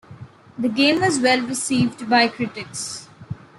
The game was well received by critics.